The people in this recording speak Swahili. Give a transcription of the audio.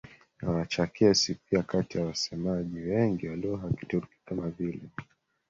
na Wacherkesi pia kati ya wasemaji wengi wa Lugha za Kiturki kama vile